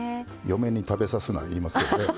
嫁に食べさすな言いますよね。